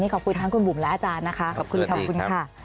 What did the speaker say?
ขอบคุณทั้งคุณบุ๋มและอาจารย์นะคะขอบคุณขอบคุณค่ะ